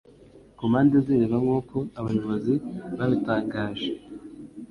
ku mpande z'iriba nk'uko abayobozi babitangaje